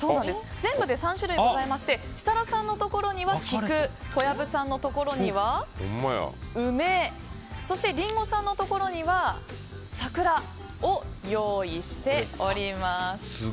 全部で３種類ございまして設楽さんのところには菊小籔さんのところには梅そしてリンゴさんのところには桜を用意しております。